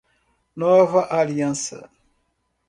Nova Aliança